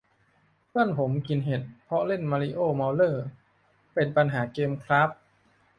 เพื่อนผมกินเห็ด เพราะเล่นมาริโอ้ เมาเร่อ เป็นปัญหาเกมคร้าบ~